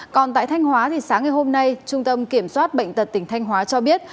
còn tại thanh hóa thì sáng ngày hôm nay trung tâm kiểm soát bệnh tật tỉnh thanh hóa cho biết